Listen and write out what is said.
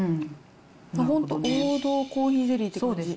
本当、王道コーヒーゼリーって感じ。